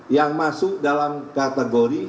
yang masuk dalam kategori